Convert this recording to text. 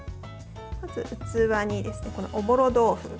まず器に、おぼろ豆腐。